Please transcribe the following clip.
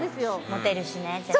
モテるしね絶対。